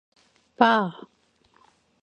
봐.